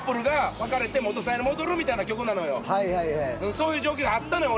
そういう状況があったのよ